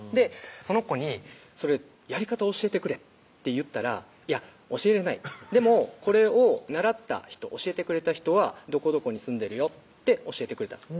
その子に「やり方教えてくれ」って言ったら「いや教えれないでもこれを教えてくれた人はどこどこに住んでるよ」って教えてくれたんです